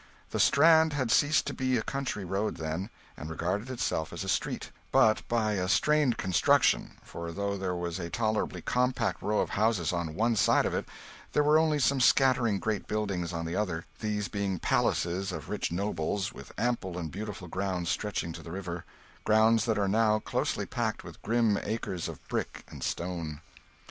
The Strand had ceased to be a country road then, and regarded itself as a street, but by a strained construction; for, though there was a tolerably compact row of houses on one side of it, there were only some scattered great buildings on the other, these being palaces of rich nobles, with ample and beautiful grounds stretching to the river grounds that are now closely packed with grim acres of brick and stone.